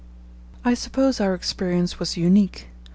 I suppose our experience was unique.